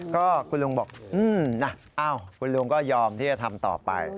ก็คุณลุงบอกนะคุณลุงก็ยอมที่จะทำต่อไป